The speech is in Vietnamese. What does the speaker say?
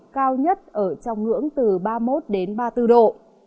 cao nhất ở trong ngưỡng từ ba mươi một đến ba mươi bốn độ